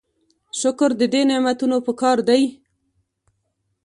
شکر د دې نعمتونو پکار دی.